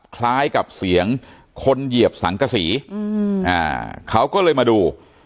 คล้ายกับเสียงคนเหยียบสังกษีเขาก็เลยมาดู